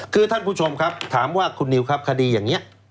คือท่านผู้ชมครับถามว่าคุณนิวครับคดีอย่างนี้